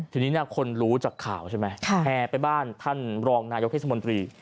ทีนี้คนรู้จากข่าวใช่ไหมแห่ไปบ้านท่านรองนายกเทศมนตรี